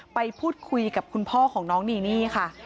ไปพูดคุยกับคุณพ่อของน้องนีนี่ค่ะ